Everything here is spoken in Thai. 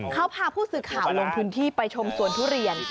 เขาพาผู้สื่อข่าวลงพื้นที่ไปชมสวนทุเรียน